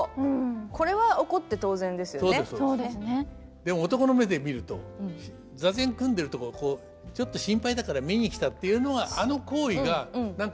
でも男の目で見ると座禅組んでるとこ「ちょっと心配だから見にきた」っていうのはあの行為が何か携帯見てるみたいな感じするんだよね。